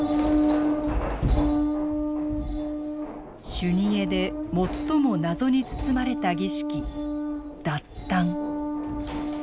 修二会で最も謎に包まれた儀式達陀。